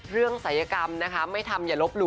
เรื่องสายกรรมนะคะไม่ทำอย่าลบห